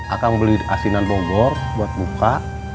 akang beli asinan bobor buat buka